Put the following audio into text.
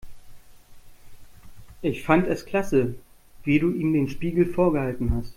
Ich fand es klasse, wie du ihm den Spiegel vorgehalten hast.